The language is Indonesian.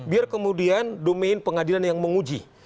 biar kemudian domain pengadilan yang menguji